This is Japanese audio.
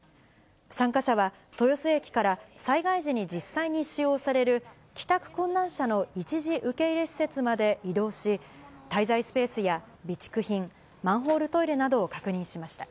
参加者は、豊洲駅から災害時に実際に使用される帰宅困難者の一時受け入れ施設まで移動し、滞在スペースや備蓄品、マンホールトイレなどを確認しました。